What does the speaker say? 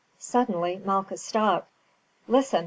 Suddenly Malchus stopped. "Listen!"